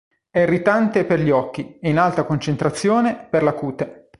È irritante per gli occhi, e in alta concentrazione, per la cute.